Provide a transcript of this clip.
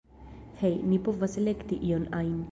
Hej, ni povas elekti ion ajn.